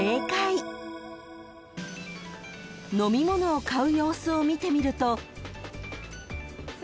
［飲み物を買う様子を見てみると］